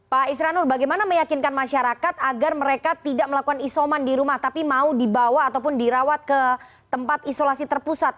pak isranur bagaimana meyakinkan masyarakat agar mereka tidak melakukan isoman di rumah tapi mau dibawa ataupun dirawat ke tempat isolasi terpusat